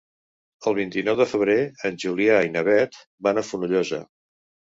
El vint-i-nou de febrer en Julià i na Beth van a Fonollosa.